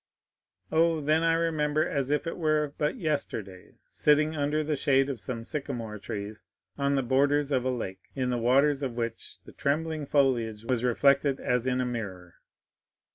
"Oh, then I remember as if it were but yesterday sitting under the shade of some sycamore trees, on the borders of a lake, in the waters of which the trembling foliage was reflected as in a mirror.